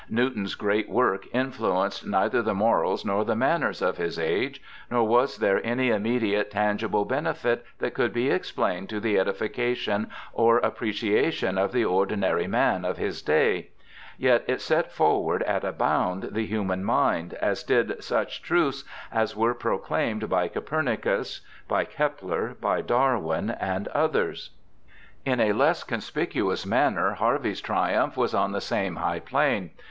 Newton's great work influenced neither the morals nor the manners of his age, nor was there any immediate tangible benefit that could be explained to the edification or appreciation of the * ordinary man ' of his day ; yet it set forward at a bound the human mind, as did such truths as were proclaimed by Copernicus, by Kepler, by Darwin, and others. In a less conspicuous manner Harvey's triumph was on the same high plane.